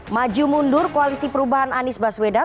maju mundur koalisi perubahan anies baswedan